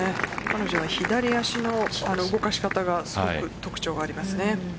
彼女は左足の動かし方がすごく特徴がありますね。